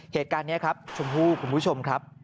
เหตุการณ์นี้ครับชมพู่คุณผู้ชมครับ